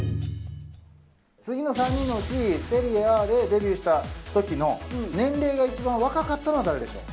次の３人のうちセリエＡでデビューした時の年齢が一番若かったのは誰でしょう。